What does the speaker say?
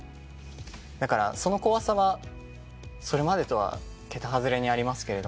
だからその怖さはそれまでとは桁外れにありますけど。